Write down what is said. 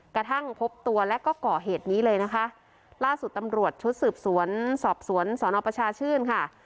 กระทั่งพบตัวและก็ก่อเหตุนี้เลยนะคะล่าสุดตำรวจชุดสืบสวนสอบสวนสอนอประชาชื่นค่ะ